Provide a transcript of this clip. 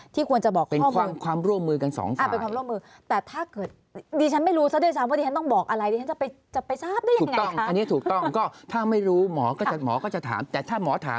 ที่ควรจะบอกข้อมูลเป็นความโรคมือกัน๒ฝ่าย